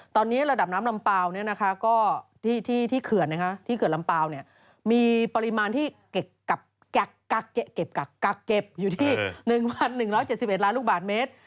ตอนนี้ระดับน้ำลำเปล่าก็ที่เขื่อนที่เขื่อนลำเปล่ามีปริมาณที่กักเก็บอยู่ที่๑๑๗๑ล้านลูกบาทเมตร